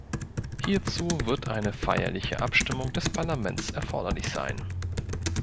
Hierzu wird eine feierliche Abstimmung des Parlaments erforderlich sein.